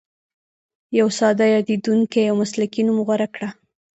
یو ساده، یادېدونکی او مسلکي نوم غوره کړه.